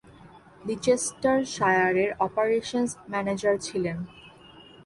লিচেস্টারশায়ারের operations manager ছিলেন।